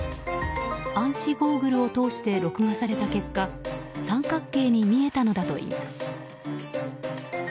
暗視ゴーグルを通して録画された結果三角形に見えたのだといいます。